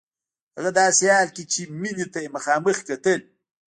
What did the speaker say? هغه داسې حال کې چې مينې ته يې مخامخ کتل.